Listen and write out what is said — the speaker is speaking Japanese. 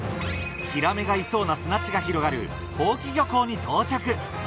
ヒラメがいそうな砂地が広がる宝亀漁港に到着！